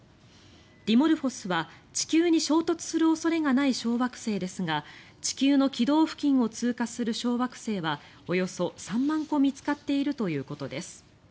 ディモルフォスは地球に衝突する恐れがない小惑星ですが地球の軌道付近を通過する小惑星はおよそ３万個見つかっているということです。